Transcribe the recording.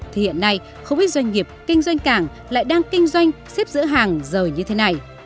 thì hiện nay không ít doanh nghiệp kinh doanh cảng lại đang kinh doanh xếp giữa hàng giờ như thế này